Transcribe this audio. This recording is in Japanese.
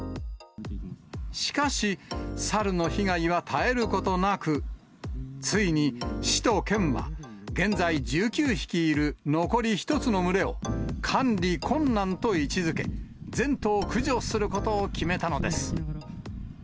しかし、サルの被害は絶えることなく、ついに市と県は、現在、１９匹いる残り１つの群れを、管理困難と位置づけ、全頭駆除することを決めたのです。